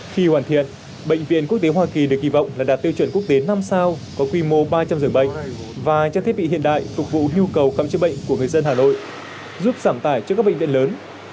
khi hoàn thiện bệnh viện quốc tế hoa kỳ được kỳ vọng là đạt tiêu chuẩn quốc tế năm sao có quy mô ba trăm linh dường bệnh và trang thiết bị hiện đại phục vụ nhu cầu khám chữa bệnh của người dân hà nội giúp giảm tải cho các bệnh viện lớn